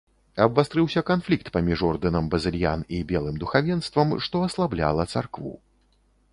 Абвастрыўся канфлікт паміж ордэнам базыльян і белым духавенствам, што аслабляла царкву.